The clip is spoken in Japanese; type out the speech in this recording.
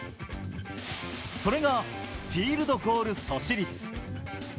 それがフィールドゴール阻止率。